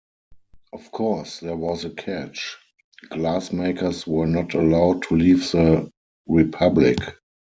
Of course there was a catch: Glassmakers were not allowed to leave the Republic.